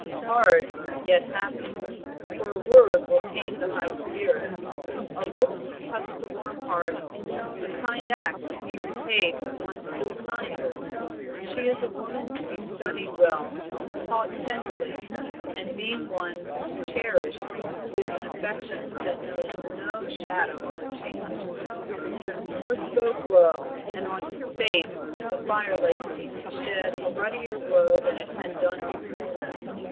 "Hard yet happy; for a word will tame the high spirit, a look touch the warm heart, a kind act be repaid with one still kinder. She is a woman to be studied well, taught tenderly, and, being won, cherished with an affection that knows no shadow of a change." Moor spoke low, and on his face the fire light seemed to shed a ruddier glow than it had done before.